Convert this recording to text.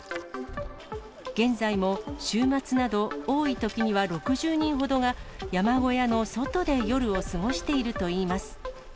現在も週末など多いときには６０人ほどが、山小屋の外で夜を過ごしているといいます。